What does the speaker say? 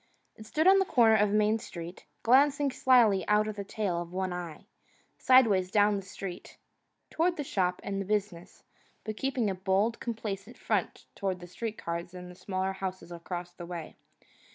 It stood on a corner of Main Street, glancing slyly out of the tail of one eye, side ways down the street, toward the shop and the business, but keeping a bold, complacent front toward the street cars and the smaller houses across the way.